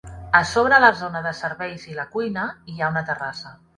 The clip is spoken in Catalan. A sobre la zona de serveis i la cuina hi ha una terrassa.